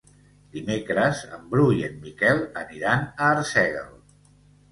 Dimecres en Bru i en Miquel aniran a Arsèguel.